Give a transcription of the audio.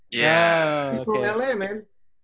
dia dari la man